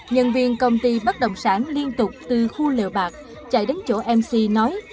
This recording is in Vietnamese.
nhân viên công ty bất động sản liên tục từ khu liều bạc chạy đến chỗ mc nói